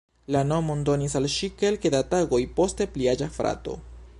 La nomon donis al ŝi kelke da tagoj poste pli aĝa frato.